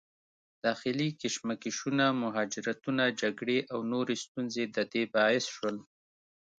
داخلي کشمکشونه، مهاجرتونه، جګړې او نورې ستونزې د دې باعث شول